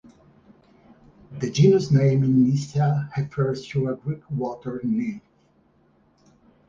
The genus name "Nyssa" refers to a Greek water nymph.